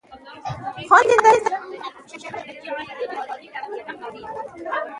افغانستان د ځنګلونه د پلوه ځانته ځانګړتیا لري.